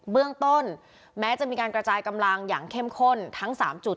เบื้องต้นแม้จะมีการกระจายกำลังอย่างเข้มข้นทั้ง๓จุด